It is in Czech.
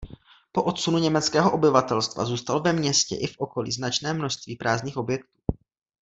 Po odsunu německého obyvatelstva zůstalo ve městě i v okolí značné množství prázdných objektů.